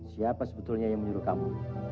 siapa sebetulnya yang menyuruh kamu